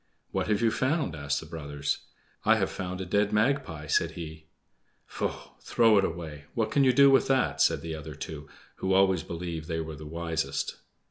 "What have you found?" asked the brothers. "I have found a dead magpie," said he. "Faugh! throw it away; what can you do with that?" said the other two, who always believed they were the wisest.